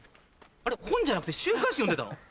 本じゃなくて週刊誌読んでたの？